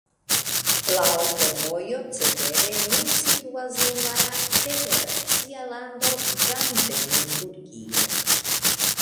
La aŭtovojo cetere nur situas en la federacia lando Brandenburgio.